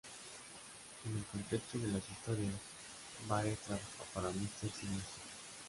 En el contexto de las historias, Baer trabaja para Mister Siniestro.